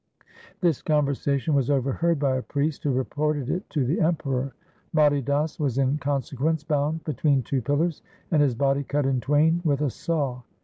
This conversation was overheard by a priest who reported it to the Emperor. Mati Das was in con sequence bound between two pillars and his body cut in twain with a saw.